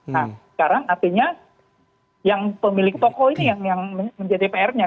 nah sekarang artinya yang pemilik toko ini yang menjadi pr nya